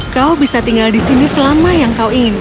kau bisa tinggal di sini selama yang kau ingin